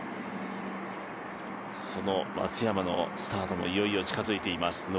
その松山のスタートがいよいよ近づいています。